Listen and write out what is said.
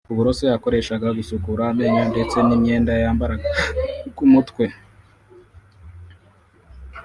uburoso yakoreshaga gusukura amenyo ndetse n’imyenda yambaraga ku mutwe